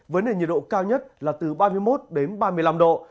vấn đề nhiệt độ cao nhất là từ ba mươi một ba mươi năm độ